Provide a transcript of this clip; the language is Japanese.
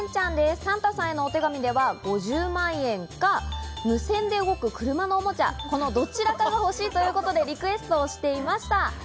サンタさんへのお手紙では５０万円か無線で動く車のおもちゃ、このどちらかが欲しいとリクエストしていました。